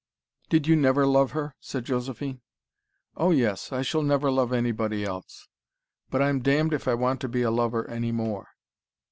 "Did you never love her?" said Josephine. "Oh, yes. I shall never love anybody else. But I'm damned if I want to be a lover any more.